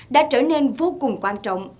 đã trở nên vô cùng quan trọng